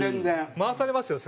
回されますよ